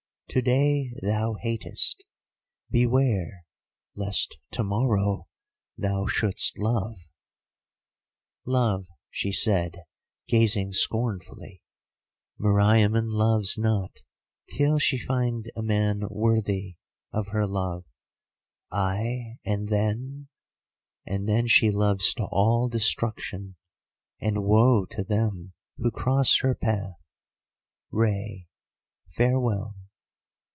To day thou hatest, beware, lest to morrow thou should'st love.' "'Love,' she said, gazing scornfully; 'Meriamun loves not till she find a man worthy of her love.' "'Ay, and then——?' "'And then she loves to all destruction, and woe to them who cross her path. Rei, farewell.